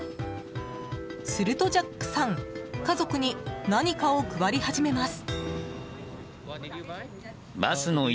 すると、ジャックさん家族に何かを配り始めます。